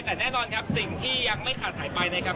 แต่แน่นอนครับสิ่งที่ยังไม่ขาดหายไปนะครับ